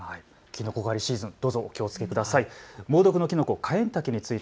きのこ狩りシーズン、どうぞお気をつけください。